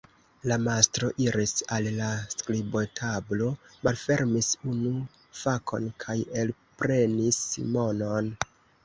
La mastro iris al la skribotablo, malfermis unu fakon kaj elprenis monon.